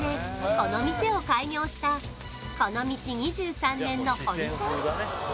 この店を開業したこの道２３年の堀さん